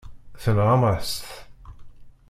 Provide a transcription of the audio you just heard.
Tenɣam-as-t.